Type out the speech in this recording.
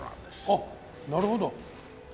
あっなるほど。